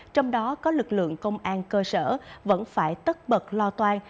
trong đó có lực lượng công an cơ sở vẫn phải tất bật lo toan